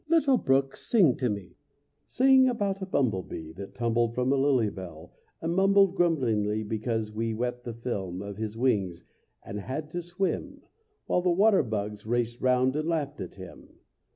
Little brook, sing to me, Sing about a bumble bee That tumbled from a lily bell and mumbled grumblingly Because he wet the film Of his wings and had to swim, While the water bugs raced round and laughed at him.